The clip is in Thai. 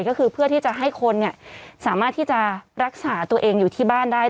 ก็คือเพื่อที่จะให้คนสามารถที่จะรักษาตัวเองอยู่ที่บ้านได้